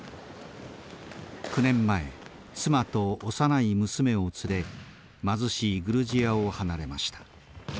９年前妻と幼い娘を連れ貧しいグルジアを離れました。